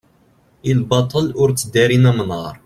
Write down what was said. i lbaṭel ur tteddarin amnaṛ